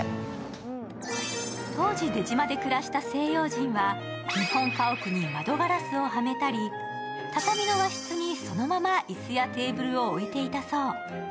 当時、出島で暮らした西洋人は日本家屋に窓ガラスをはめたり畳の和室にそのまま椅子やテーブルを置いていたそう。